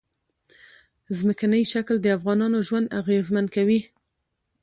ځمکنی شکل د افغانانو ژوند اغېزمن کوي.